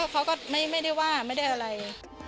เขาก็ไม่ได้ว่าไม่ได้อะไร